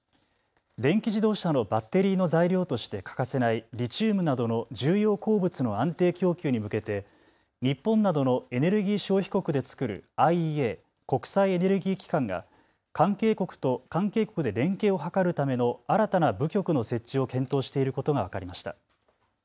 電気自動車のバッテリーの材料として欠かせないリチウムなどの重要鉱物の安定供給に向けて日本などのエネルギー消費国で作るＩＥＡ・国際エネルギー機関が関係国で連携を図るための新たな部局の設置を検討していることが分かりました。